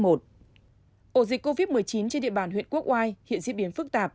ổ dịch covid một mươi chín trên địa bàn huyện quốc oai hiện diễn biến phức tạp